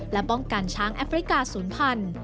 และป้องกันช้างแอฟริกาศูนย์พันธุ